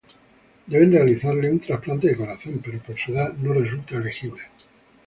Deben realizarle un trasplante de corazón, pero por su edad no resulta elegible.